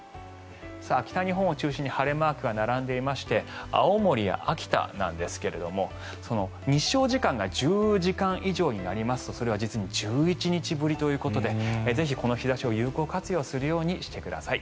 北日本を中心に晴れマークが並んでいまして青森や秋田なんですが日照時間が１０時間以上になりますとそれは実に１１日ぶりということでぜひこの日差しを有効活用するようにしてください。